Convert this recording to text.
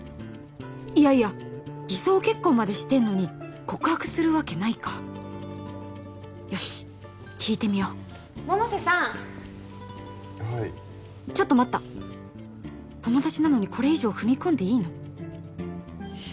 いやいや偽装結婚までしてんのに告白するわけないかよし聞いてみよう百瀬さんはいちょっと待った友達なのにこれ以上踏み込んでいいの？